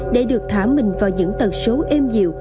để được thả mình vào những tần số êm dịu